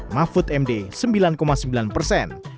mahfud md sembilan sembilan persen